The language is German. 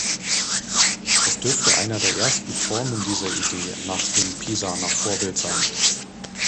Es dürfte eine der ersten Formen dieser Idee nach dem Pisaner Vorbild sein.